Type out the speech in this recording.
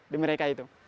di mereka itu